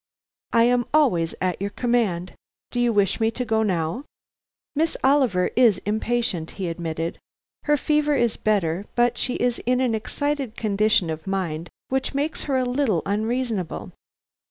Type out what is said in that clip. "I am always at your command. Do you wish me to go now?" "Miss Oliver is impatient," he admitted. "Her fever is better, but she is in an excited condition of mind which makes her a little unreasonable.